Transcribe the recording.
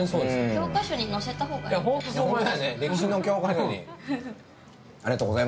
教科書に載せたほうがいい。